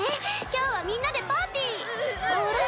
今日はみんなでパーティーあれ？